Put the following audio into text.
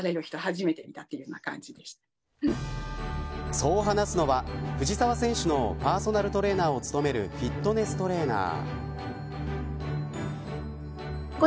そう話すのは、藤澤選手のパーソナルトレーナーを務めるフィットネストレーナー。